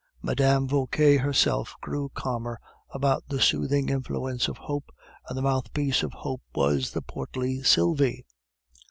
Mme. Vauquer herself grew calmer under the soothing influence of hope, and the mouthpiece of hope was the portly Sylvie.